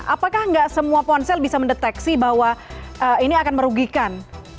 apakah nggak semua ponsel bisa mendeteksi bahwa ini akan merugikan